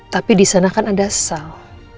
tapi di sana kan ada sel